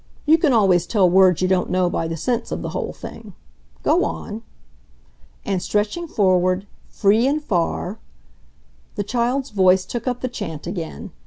You can always tell words you don't know by the sense of the whole thing. Go on." And stretching forward, free and far, The child's voice took up the chant again.